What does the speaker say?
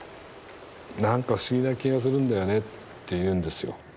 なんか不思議な気がするんだよねって言うんですよ。